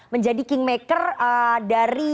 menjadi kingmaker dari